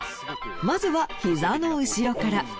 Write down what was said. まずはひざの後ろから。